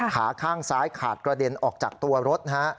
ขาข้างซ้ายขาดกระเด็นออกจากตัวรถนะฮะ